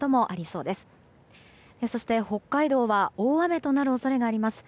そして、北海道は大雨となる恐れがあります。